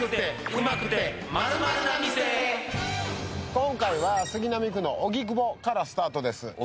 今回は杉並区の荻窪からスタートです。